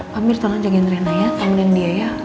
pamir tolong jagain reina ya tamenin dia ya